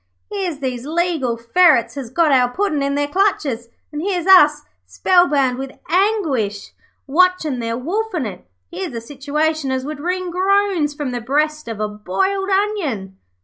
'Here's these legal ferrets has got our Puddin' in their clutches, and here's us, spellbound with anguish, watchin' them wolfin' it. Here's a situation as would wring groans from the breast of a boiled onion.'